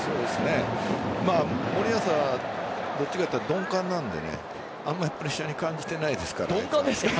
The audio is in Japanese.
森保はどちらかと言ったら鈍感なのであまりプレッシャーに感じていないですから。